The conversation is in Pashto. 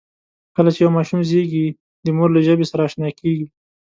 کله چې یو ماشوم زېږي، د مور له ژبې سره آشنا کېږي.